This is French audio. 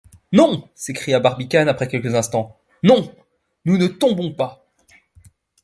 Non! s’écria Barbicane après quelques instants, non, nous ne tombons pas !